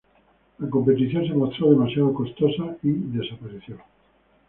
La competición se mostró demasiado costosa y desapareció.